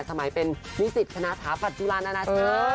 หมายเป็นวิสิทธิ์คณะศาสตร์ฝัดจุฬานาชาติ